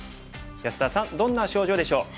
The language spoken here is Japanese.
安田さんどんな症状でしょう？